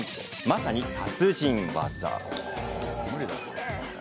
まさに達人技。